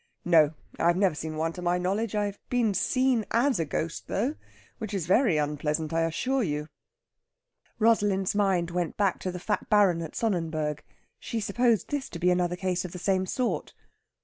"No, I have never seen one to my knowledge. I've been seen as a ghost, though, which is very unpleasant, I assure you." Rosalind's mind went back to the fat Baron at Sonnenberg. She supposed this to be another case of the same sort.